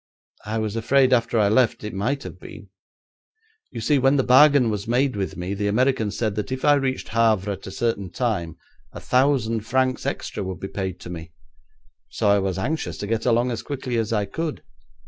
'I was afraid after I left it might have been. You see, when the bargain was made with me the American said that if I reached Havre at a certain time a thousand francs extra would be paid to me, so I was anxious to get along as quickly as I could.